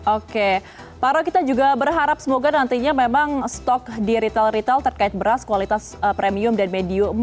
oke pak ro kita juga berharap semoga nantinya memang stok di retail retail terkait beras kualitas premium dan medium emas